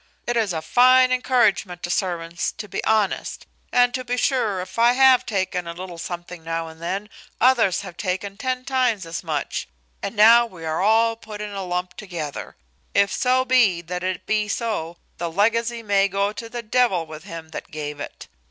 It is a fine encouragement to servants to be honest; and to be sure, if I have taken a little something now and then, others have taken ten times as much; and now we are all put in a lump together. If so be that it be so, the legacy may go to the devil with him that gave it.